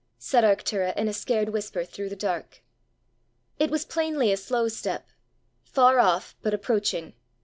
said Arctura in a scared whisper through the dark. It was plainly a slow step far off, but approaching.